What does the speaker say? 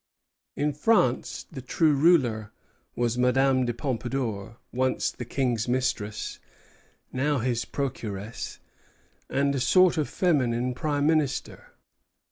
In France the true ruler was Madame de Pompadour, once the King's mistress, now his procuress, and a sort of feminine prime minister.